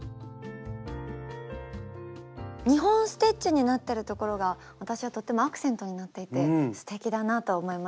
２本ステッチになってるところが私はとってもアクセントになっていてすてきだなと思いましたね。